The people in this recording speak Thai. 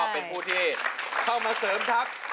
เป็นผู้ที่เข้ามาเสริมทัพ